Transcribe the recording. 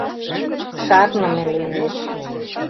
Шарныме лӱмеш...